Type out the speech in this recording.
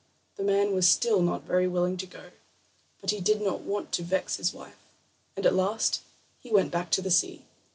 The man was still not very willing to go, but he did not want to vex his wife, and at last he went back to the sea.